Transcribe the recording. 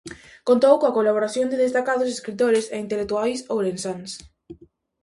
Contou coa colaboración de destacados escritores e intelectuais ourensáns.